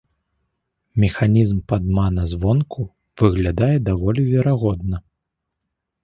Механізм падману звонку выглядае даволі верагодна.